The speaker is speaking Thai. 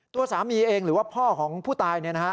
ตัวสามีเองหรือว่าพ่อของผู้ตายเนี่ยนะฮะ